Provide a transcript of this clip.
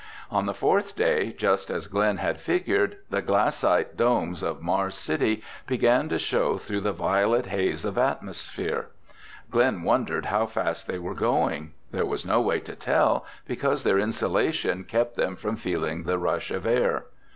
On the fourth day, just as Glen had figured, the glassite domes of Mars City began to show through the violet haze of atmosphere. Glen wondered how fast they were going. There was no way to tell because their insulation kept them from feeling the rush of air.